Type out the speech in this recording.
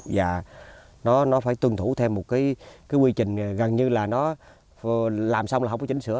và nó phải tuân thủ theo một quy trình gần như là nó làm xong là không có chỉnh sửa